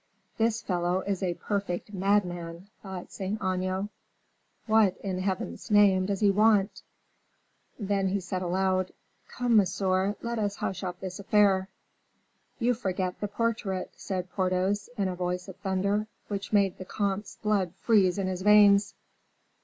"This fellow is a perfect madman," thought Saint Aignan. "What, in Heaven's name, does he want?" He then said aloud: "Come, monsieur, let us hush up this affair." "You forget the portrait," said Porthos, in a voice of thunder, which made the comte's blood freeze in his veins.